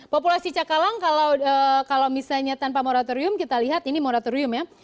populasi cakalang kalau misalnya tanpa moratorium kita lihat ini moratorium ya